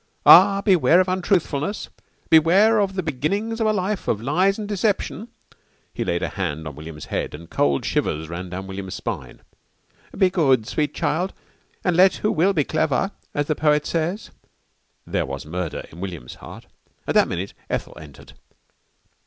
Ah, beware of untruthfulness. Beware of the beginnings of a life of lies and deception." He laid a hand on William's head and cold shivers ran down William's spine. "'Be good, sweet child, and let who will be clever,' as the poet says." There was murder in William's heart. At that minute Ethel entered.